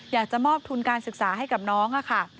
อยากจะมอบทุนการศึกษาให้กับน้องค่ะ